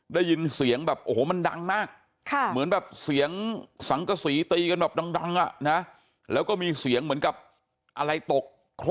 ได้ยินเสียงแบบโอ้โหมันดังมาก